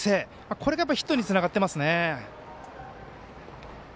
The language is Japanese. これがヒットにつながっています。